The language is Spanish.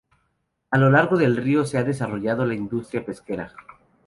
A lo largo del río se ha desarrollado la industria pesquera.